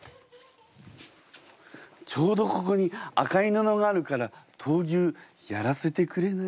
ちょうどここに赤いぬのがあるから闘牛やらせてくれない？